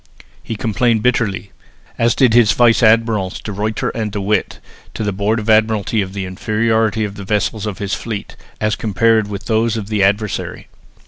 He complained bitterly, as did his vice admirals De Ruyter and De With, to the Board of Admiralty of the inferiority of the vessels of his fleet, as compared with those of the adversary.